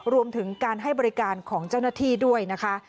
รวมถึงการให้บริการของเจ้าหน้าที่ด้วยนะคะ